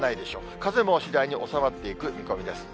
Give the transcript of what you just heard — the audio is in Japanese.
風も次第に収まっていく見込みです。